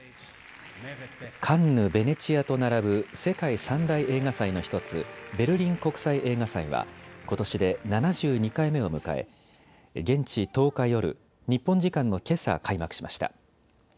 カンヌ、ベネチアと並ぶ世界３大映画祭の１つ、ベルリン国際映画祭はことしで７２回目を迎え現地１０日夜、日本時間のけさ開幕しました。